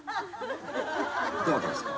どなたですか？